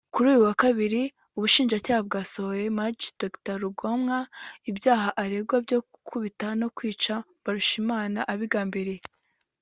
Kuri uyu wa kabiri Ubushinjacyaha bwasomeye Maj Dr Rugomwa ibyaha aregwa byo gukubita no kwica Mbarushimana abigambiriye